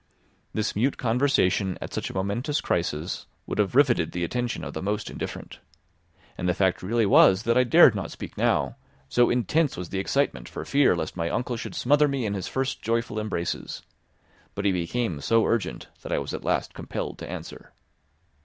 This mute conversation at such a momentous crisis would have riveted the attention of the most indifferent. And the fact really was that I dared not speak now, so intense was the excitement for fear lest my uncle should smother me in his first joyful embraces. But he became so urgent that I was at last compelled to answer.